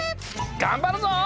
がんばるぞ！